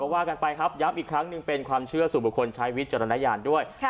ว่ากันไปครับย้ำอีกครั้งหนึ่งเป็นความเชื่อสู่บุคคลใช้วิจารณญาณด้วย